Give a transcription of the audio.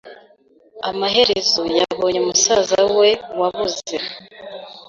Amaherezo yabonye musaza we wabuze.